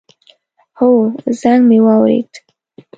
هو، زنګ می واورېد